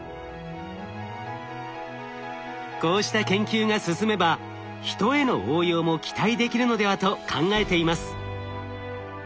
こうした研究が進めばヒトへの応用も期待できるのではと考えています。